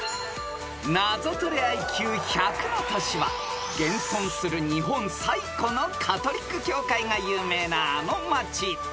［ナゾトレＩＱ１００の都市は現存する日本最古のカトリック教会が有名なあの街］